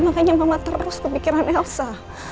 makanya mama terus kepikiran elsa